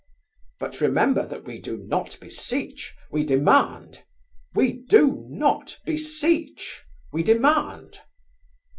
But remember that we do not beseech, we demand! We do not beseech, we demand!"